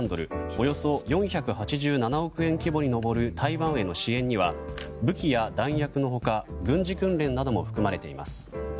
およそ４８７億円規模に上る台湾への支援には武器や弾薬の他軍事訓練なども含まれています。